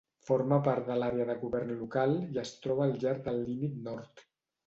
Forma part de l'àrea de govern local i es troba al llarg del límit nord.